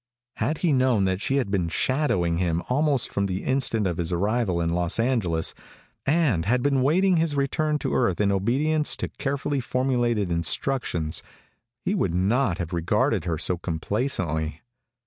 Had he known that she had been shadowing him almost from the instant of his arrival in Los Angeles, and had been awaiting his return to Earth in obedience to carefully formulated instructions he would not have regarded her so complacently.